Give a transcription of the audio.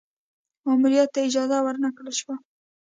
ماموریت ته اجازه ور نه کړل شوه.